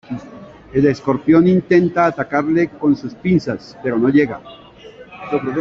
El escorpión intenta atacarle con sus pinzas, pero no llega.